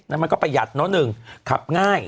มันก็ประหยัดเนอะหนึ่งขับง่าย